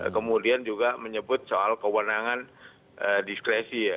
kemudian juga menyebut soal kewenangan diskresi ya